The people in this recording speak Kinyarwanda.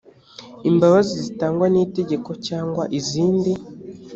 imbabazi zitangwa n itegeko cyangwa izindi